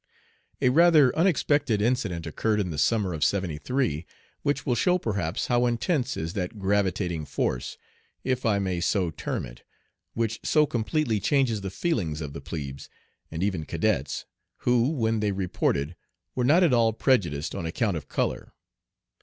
A rather unexpected incident occurred in the summer of '73, which will show perhaps how intense is that gravitating force if I may so term it which so completely changes the feelings of the plebes, and even cadets, who, when they reported, were not at all prejudiced on account of color.